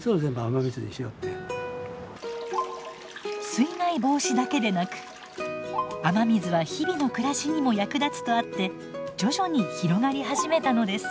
水害防止だけでなく雨水は日々の暮らしにも役立つとあって徐々に広がり始めたのです。